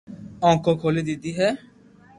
اونکو کولي ديدي ھي